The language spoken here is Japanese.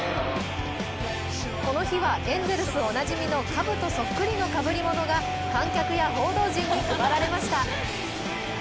この日は、エンゼルスおなじみのかぶとそっくりのかぶり物が、観客や報道陣に配られました。